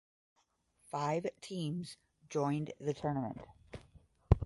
Five teams joined the tournament.